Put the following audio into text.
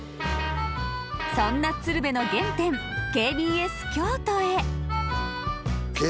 そんな鶴瓶の原点ＫＢＳ京都へ。